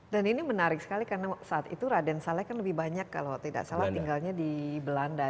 dan ini menarik sekali karena saat itu raden salah kan lebih banyak kalau tidak salah tinggalnya di belanda